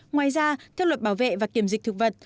ngoài ra theo luật bảo vệ và kiểm dịch thực vật